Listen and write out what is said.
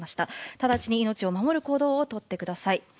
直ちに命を守る行動を取ってください。